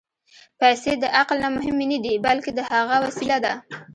پېسې د عقل نه مهمې نه دي، بلکې د هغه وسیله ده.